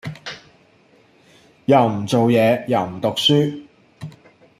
又唔做嘢又唔讀書